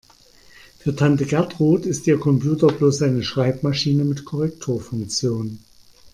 Für Tante Gertrud ist ihr Computer bloß eine Schreibmaschine mit Korrekturfunktion.